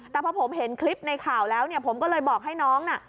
แต่พอผมเห็นคลิปในข่าวแล้วเนี่ยผมก็เลยบอกให้น้องน่ะ